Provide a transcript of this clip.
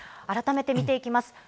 改めて見ていきます。